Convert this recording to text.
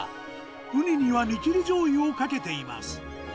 ウニには煮切りじょうゆをかけています。